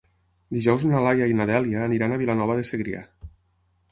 Dijous na Laia i na Dèlia aniran a Vilanova de Segrià.